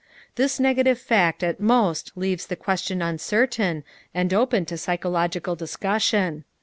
This negative fact at most leaves the question uncertain and open to psychological discussion.